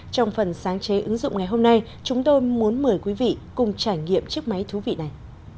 trong phần sáng chế ứng dụng ngày hôm nay chúng tôi muốn mời quý vị cùng trải nghiệm chiếc máy thú vị này